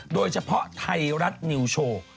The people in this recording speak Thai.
โดยเฉพาะไทยรัฐนิวโชว์